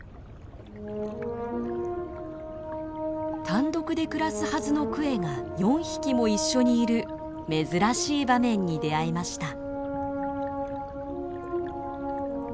単独で暮らすはずのクエが４匹も一緒にいる珍しい場面に出会いました。